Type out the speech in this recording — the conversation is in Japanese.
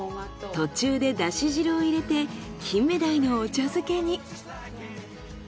途中でだし汁を入れて金目鯛のお茶漬けに。